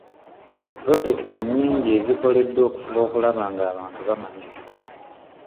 Pulojekiti nnyingi zikoleddwa okufuba okulaba ng'abantu bamanyisibwa.